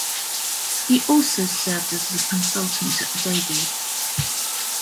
He also served as a consultant to Adobe.